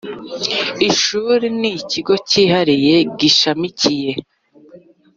ishuri n’ikigo cyihariye gishamikiye